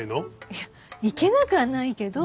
いやいけなくはないけど。